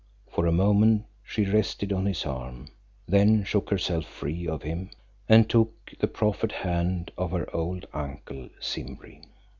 For a moment she rested on his arm, then shook herself free of him and took the proffered hand of her old uncle Simbri.